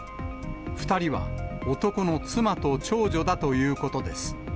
２人は男の妻と長女だということです。